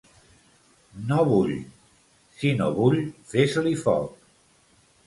No vull! —Si no bull fes-li foc.